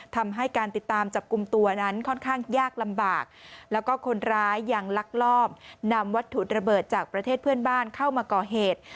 ทำให้การติดตามจับกลุ่มตัวนั้นค่อนข้างยากลำบากแล้วก็คนร้ายยังลักลอบนำวัตถุระเบิดจากประเทศเพื่อนบ้านเข้ามาก่อเหตุ